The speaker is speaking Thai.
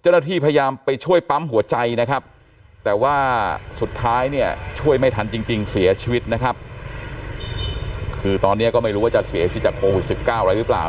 เจ้าหน้าที่พยายามไปช่วยปั้มหัวใจนะครับแต่ว่าสุดท้ายช่วยไม่ทันจริงเสียชีวิตนะครับ